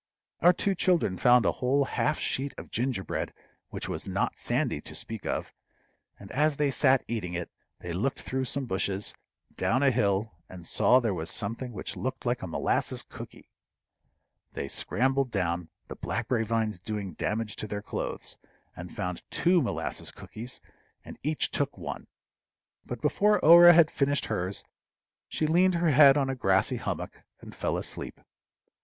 Our two children found a whole half sheet of gingerbread, which was not sandy, to speak of; and as they sat eating it, they looked through some bushes down a hill, and saw there something which looked like a molasses cooky. They scrambled down, the blackberry vines doing damage to their clothes, and found two molasses cookies, and each took one. But before Orah had finished hers she leaned her head on a grassy hummock, and fell asleep.